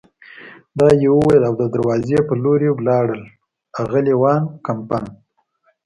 دا یې وویل او د دروازې په لور ولاړل، اغلې وان کمپن.